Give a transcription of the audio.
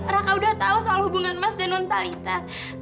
raka udah tahu soal hubungan mas dan nontalita